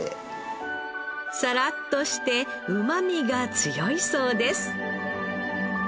サラッとしてうまみが強いそうです